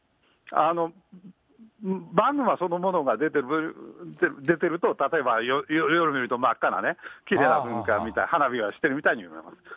マグマそのものが出てると、例えば、夜見ると真っ赤なきれいな噴火みたいな、花火をしているみたいに見えます。